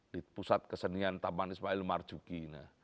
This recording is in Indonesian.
di pusat kesenian taman ismail marjuki